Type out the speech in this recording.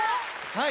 はい。